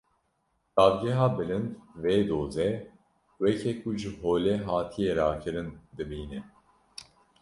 Dadgeha Bilind vê dozê weke ku ji holê hatiye rakirin, dibîne.